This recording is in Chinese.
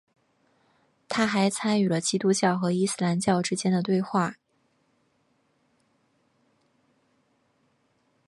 他还参与了基督教和伊斯兰教之间的对话。